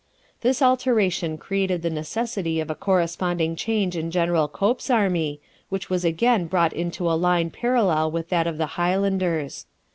This alteration created the necessity of a corresponding change in General Cope's army, which was again brought into a line parallel with that of the Highlanders.